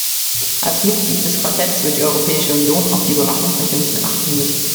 Als Mitglied des Quartetts wird die Europäische Union auf die Überwachungsmechanismen achten müssen.